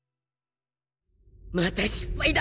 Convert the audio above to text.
また失敗だ！